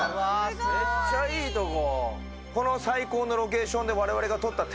めっちゃいいとこ。